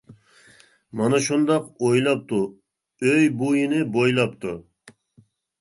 مانا شۇنداق ئويلاپتۇ، ئۆي بويىنى بويلاپتۇ.